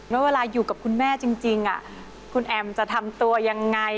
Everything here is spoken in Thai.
ว่าเวลาอยู่กับคุณแม่จริงคุณแอมจะทำตัวยังไง